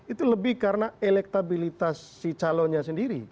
itu lebih karena elektabilitas si calonnya sendiri